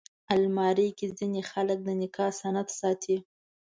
الماري کې ځینې خلک د نکاح سند ساتي